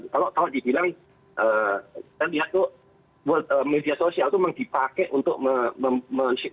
kalau dibilang kita lihat tuh media sosial itu dipakai untuk membuat video